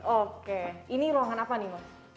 oke ini ruangan apa nih mas